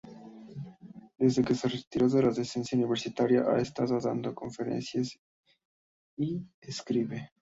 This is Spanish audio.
Desde que se retiró de la docencia universitaria, ha estado dando conferencias; y, escribe.